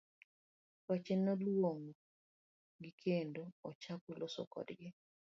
Pache noluong'o gi kendo ochako loso kodgi.